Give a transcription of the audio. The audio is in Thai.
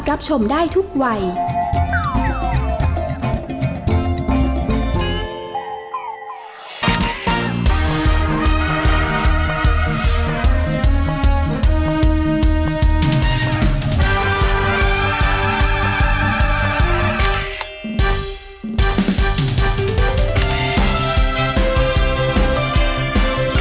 ประวัติไหน